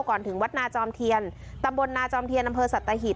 ก่อนถึงวัดนาจอมเทียนตำบลนาจอมเทียนอำเภอสัตหิบ